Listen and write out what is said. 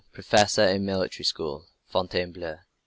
Professor in military school, Fontainebleau.